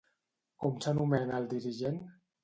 Com s'anomena el dirigent?